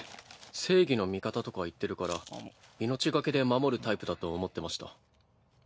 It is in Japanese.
正義の味方とか言ってるから命懸けで守るタイプだと思ってました。